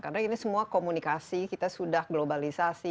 karena ini semua komunikasi kita sudah globalisasi